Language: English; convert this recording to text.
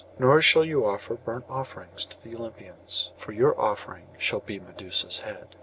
Nor shall you offer burnt offerings to the Olympians; for your offering shall be Medusa's head.